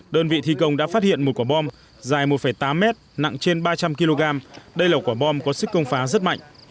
đơn vị thi công đã phát hiện một quả bom dài một tám mét nặng trên ba trăm linh kg đây là quả bom có sức công phá rất mạnh